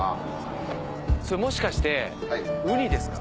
もしかしてウニですか？